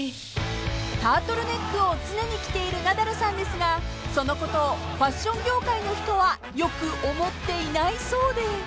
［タートルネックを常に着ているナダルさんですがそのことをファッション業界の人は良く思っていないそうで］